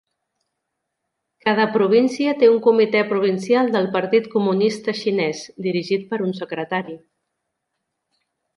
Cada província té un comitè provincial del Partit Comunista Xinès, dirigit per un secretari.